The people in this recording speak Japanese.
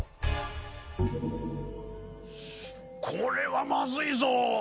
これはまずいぞ。